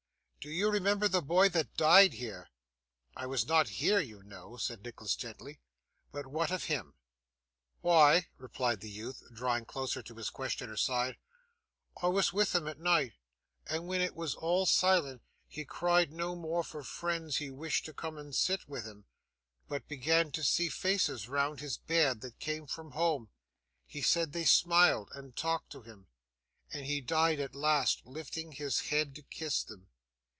Do you remember the boy that died here?' 'I was not here, you know,' said Nicholas gently; 'but what of him?' 'Why,' replied the youth, drawing closer to his questioner's side, 'I was with him at night, and when it was all silent he cried no more for friends he wished to come and sit with him, but began to see faces round his bed that came from home; he said they smiled, and talked to him; and he died at last lifting his head to kiss them.